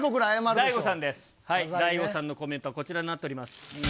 大悟さんのコメント、こちらになっております。